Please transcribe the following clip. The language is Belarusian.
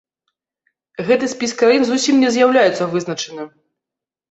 Гэты спіс краін зусім не з'яўляецца вызначаным.